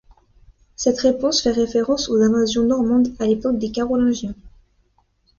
Cette réponse fait référence aux invasions normandes à l'époque des Carolingiens.